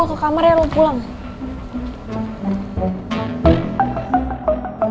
tapi kalo ketemu tante melda males juga sih kalo di jutekin